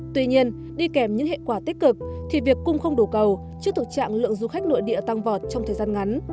tuy nhiên đi kèm những hệ quả tích cực thì việc cung không đủ cầu trước thực trạng lượng du khách nội địa tăng vọt trong thời gian ngắn